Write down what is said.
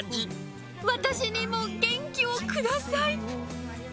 私にも元気を下さい。